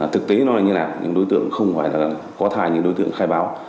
thực tế nói như thế nào đối tượng không phải là có thai như đối tượng khai báo